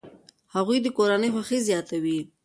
هغوی د کورنۍ خوښي زیاتوي.